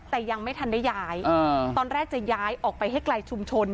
แต่ยังไม่ทันได้ย้ายตอนแรกจะย้ายออกไปให้ไกลชุมชน